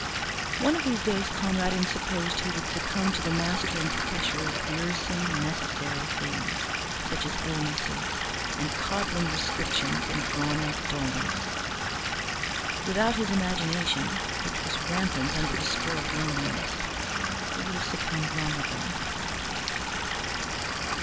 One of these days Conradin supposed he would succumb to the mastering pressure of wearisome necessary things such as illnesses and coddling restrictions and drawn out dullness. Without his imagination, which was rampant under the spur of loneliness, he would have succumbed long ago.